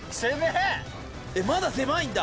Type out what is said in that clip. えっまだ狭いんだ？